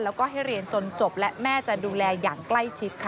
แล้วก็ให้เรียนจนจบและแม่จะดูแลอย่างใกล้ชิดค่ะ